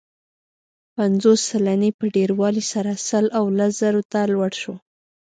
پنځوس سلنې په ډېروالي سره سل او لس زرو ته لوړ شو.